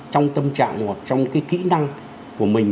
trong tâm trạng hoặc trong cái kỹ năng của mình